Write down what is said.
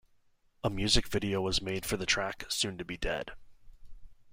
A music video was made for the track "Soon to Be Dead".